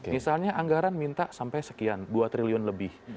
misalnya anggaran minta sampai sekian dua triliun lebih